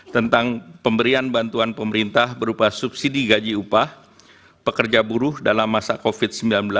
tentang pemberian bantuan pemerintah berupa subsidi gaji upah pekerja buruh dalam masa covid sembilan belas